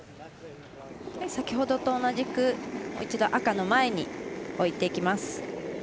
先ほどと同じく一度、赤の前に置いてきます。